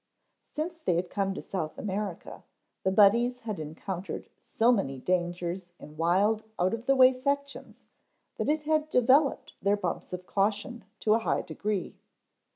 Since they had come to South America the Buddies had encountered so many dangers in wild, out of the way sections that it had developed their bumps of caution to a high degree.